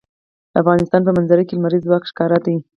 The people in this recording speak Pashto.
د افغانستان په منظره کې لمریز ځواک ښکاره ده.